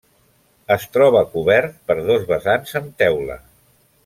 Es troba cobert per dos vessants amb teula.